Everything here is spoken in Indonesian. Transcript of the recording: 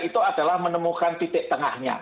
itu adalah menemukan titik tengahnya